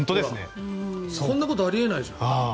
こんなことあり得ないでしょ？